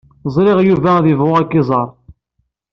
Ẓriɣ Yuba ad yebɣu ad k-iẓer.